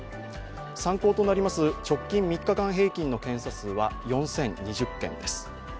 参考となります直近３日間平均の検査件数は４０２０件です。